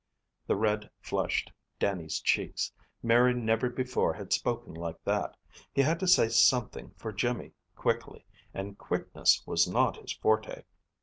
The red flushed Dannie's cheeks. Mary never before had spoken like that. He had to say something for Jimmy quickly, and quickness was not his forte.